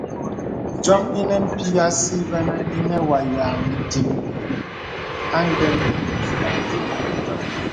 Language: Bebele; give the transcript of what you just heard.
Dìōm inə pī àsí vənə inə wà dìaŋ nì ìdiŋ à ndəm.